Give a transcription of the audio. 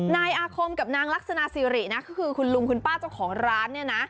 นายอาคมกับนางลักษณะสิรินะก็คือคุณลุงคุณป้าเจ้าของร้านเนี่ยนะ